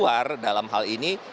kecakapan guru itu ada di dalam hal ini